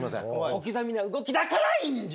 小刻みな動きだからいいんじゃ。